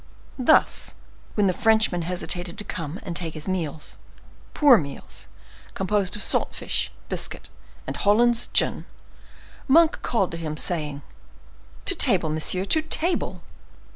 Thus, when the Frenchman hesitated to come and take his meals, poor meals, composed of salt fish, biscuit, and Hollands gin, Monk called him, saying,—"To table, monsieur, to table!"